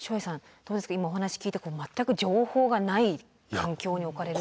どうですか今お話聞いて全く情報がない状況に置かれる。